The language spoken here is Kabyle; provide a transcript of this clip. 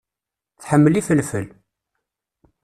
Tḥemmel ifelfel.